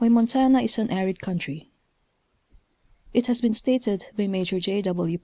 Wuy Montana its an Arip Country. It has been stated by Major J. W.